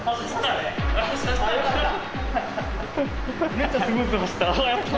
めっちゃスムーズに走った！